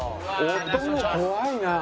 音も怖いなあ。